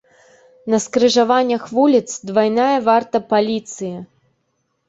На скрыжаваннях вуліц двайная варта паліцыі.